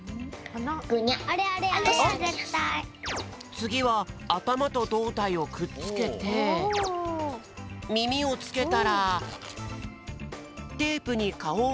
つぎはあたまとどうたいをくっつけてみみをつけたらテープにかおをかいてはりつける！